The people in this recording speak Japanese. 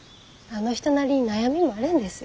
あの人なりに悩みもあるんです。